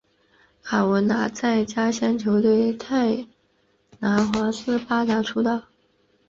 卡文拿在家乡球队泰拿华斯巴达出道。